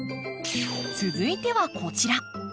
続いてはこちら。